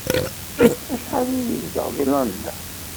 Acḥal ay yezdeɣ deg London?